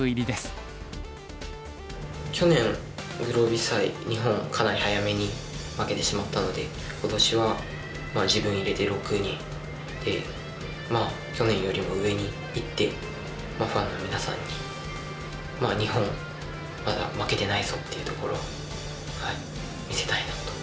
去年グロービス杯日本かなり早めに負けてしまったので今年は自分入れて６人でまあ去年よりも上にいってファンの皆さんに日本まだ負けてないぞっていうところを見せたいなと思います。